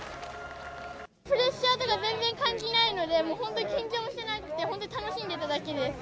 プレッシャーとか全然感じないので、もう本当に緊張もしてなくて、本当に楽しんでただけです。